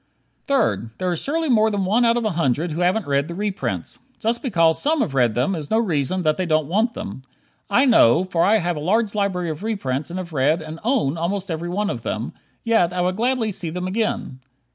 Third: There is surely more than one out of a hundred who haven't read the reprints. Just because some have read them is no reason that they don't want them. I know, for I have a large library of reprints and have read, and own, almost every one of them, yet I would gladly see them again.